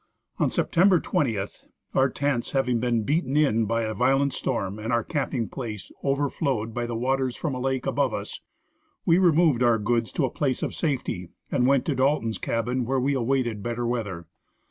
On September 20, our tents having been beaten in by a violent storm and our camping j^lace overflowed by the waters from a lake above us, we removed our goods to a place of safety and went to Dalton's cabin, where we awaited better weather.